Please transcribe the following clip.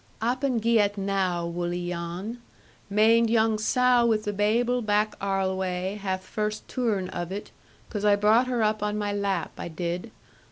'Oppen ge at now, wull 'e, Jan? Maind, young sow wi' the baible back arlway hath first toorn of it, 'cos I brought her up on my lap, I did.